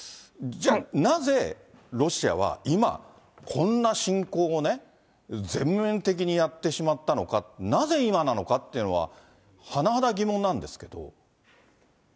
じゃあ、なぜ、ロシアは今、こんな侵攻を全面的にやってしまったのか、なぜ今なのかっていうのは、甚だ疑問なんですけど。